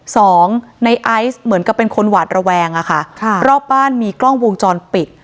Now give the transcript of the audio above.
สองในไอซ์เหมือนกับเป็นคนหวาดระแวงอะค่ะค่ะรอบบ้านมีกล้องวงจรปิด